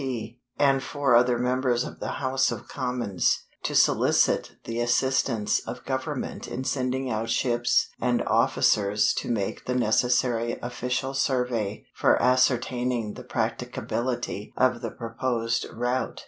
P., and four other members of the House of Commons, to solicit the assistance of Government in sending out ships and officers to make the necessary official survey for ascertaining the practicability of the proposed route.